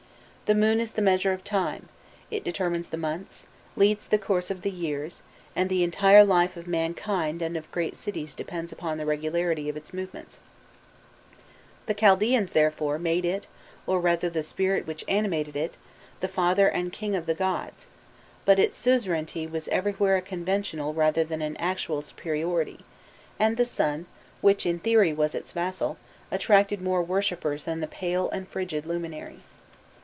The moon is the measure of time; it determines the months, leads the course of the years, and the entire life of mankind and of great cities depends upon the regularity of its movements: the Chaldaeans, therefore, made it, or rather the spirit which animated it, the father and king of the gods; but its suzerainty was everywhere a conventional rather than an actual superiority, and the sun, which in theory was its vassal, attracted more worshippers than the pale and frigid luminary.